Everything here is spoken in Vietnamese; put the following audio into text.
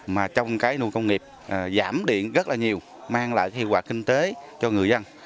mà trong cái nuôi công nghiệp giảm điện rất là nhiều mang lại hiệu quả kinh tế cho người dân